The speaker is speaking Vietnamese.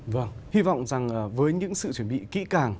vâng hy vọng rằng với những sự chuẩn bị kỹ càng